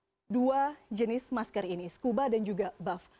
jadi dua jenis masker ini scuba dan juga buff